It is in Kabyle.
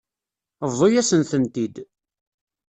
Bḍu-yasen-tent-id.